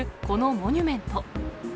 このモニュメント。